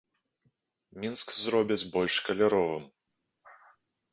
Мінск зробяць больш каляровым.